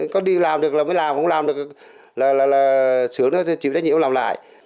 có đi làm được là mới làm không làm được là sướng chịu đánh nhiễm làm lại